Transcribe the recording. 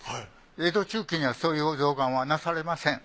江戸中期にはそういう象嵌はなされません。